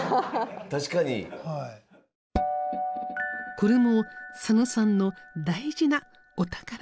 これも佐野さんの大事なお宝。